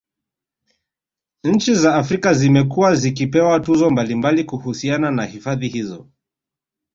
Nchi za Afrika Zimekuwa zikipewa tuzo mbalimbali kuhusiana na hifadhi hizo